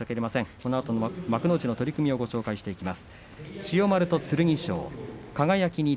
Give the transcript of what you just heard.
このあとの幕内の取組をご紹介していきます。